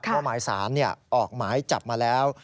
เพราะหมายสารออกหมายจับมาแล้ว